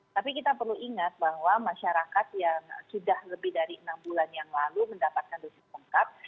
tapi kita perlu ingat bahwa masyarakat yang sudah lebih dari enam bulan yang lalu mendapatkan dosis lengkap